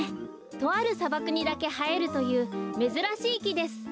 とあるさばくにだけはえるというめずらしいきです。